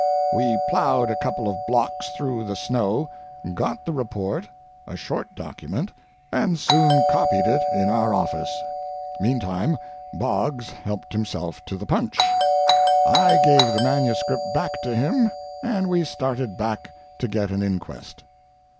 We ploughed a couple of blocks through the snow, got the report—a short document—and soon copied it in our office. Meantime, Boggs helped himself to the punch. I gave the manuscript back to him, and we started back to get an inquest.